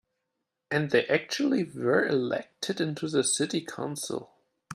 And they actually were elected into the city council.